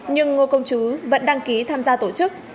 nhưng ngô công chứ vẫn đăng ký tham gia tổ chức